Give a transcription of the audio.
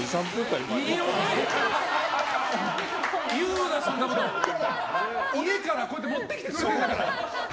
いるからこうやって持ってくれてるんだから！